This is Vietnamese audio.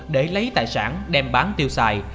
để lấy tài sản đem bán tiêu xài